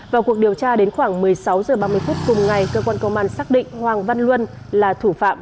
vào cuộc điều tra đến khoảng một mươi sáu h ba mươi phút cùng ngày cơ quan công an xác định hoàng văn luân là thủ phạm